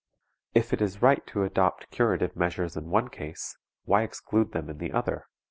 If it is right to adopt curative measures in one case, why exclude them in the other?